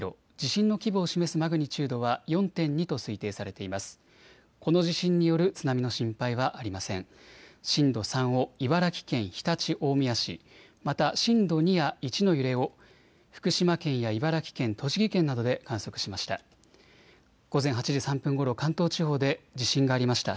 震度３を茨城県常陸大宮市、また震度２や１の揺れを福島県や茨城県、栃木県などで観測しました。